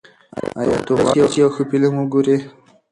ایا ته غواړې چې یو ښه فلم وګورې؟